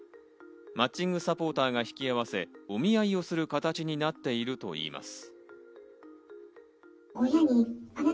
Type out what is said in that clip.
マッチングサポーターが引き合わせ、お見合いをする形になっているといいます。